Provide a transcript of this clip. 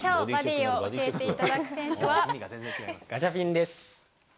きょう、ガチャピンです。